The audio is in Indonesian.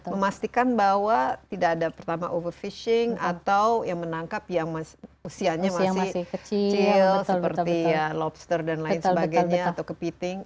memastikan bahwa tidak ada pertama overfishing atau yang menangkap yang usianya masih kecil seperti lobster dan lain sebagainya atau kepiting